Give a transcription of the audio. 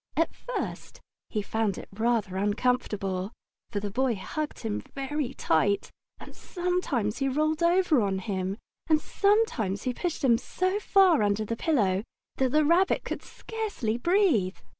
At first he found it rather uncomfortable, for the Boy hugged him very tight, and sometimes he rolled over on him, and sometimes he pushed him so far under the pillow that the Rabbit could scarcely breathe.